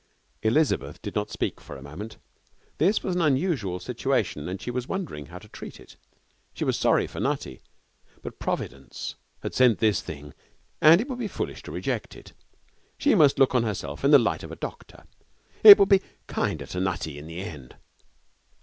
Elizabeth did not speak for a moment. This was an unusual situation, and she was wondering how to treat it. She was sorry for Nutty, but Providence had sent this thing and it would be foolish to reject it. She must look on herself in the light of a doctor. It would be kinder to Nutty in the end.